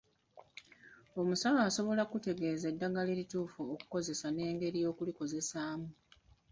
Omusawo asobola okukutegeeza eddagala ettuufu okukozesa n’engeri y’okulikozesaamu.